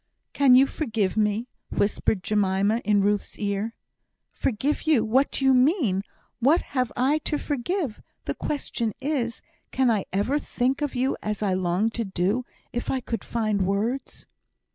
"Can you forgive me?" whispered Jemima in Ruth's ear. "Forgive you! What do you mean? What have I to forgive? The question is, can I ever thank you as I long to do, if I could find words?"